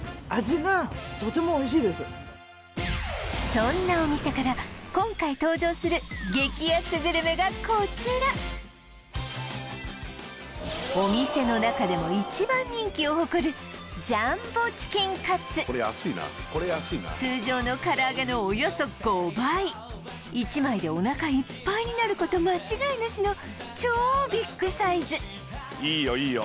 そんなお店から今回登場する激安グルメがこちらお店の中でも一番人気を誇る通常の唐揚げのおよそ５倍１枚でおなかいっぱいになること間違いなしの超ビッグサイズいいよいいよ